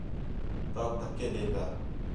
توک دَھکّے ݙے کر